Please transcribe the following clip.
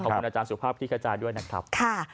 ขอบคุณอาจารย์สุภาพที่กระจายด้วยนะครับ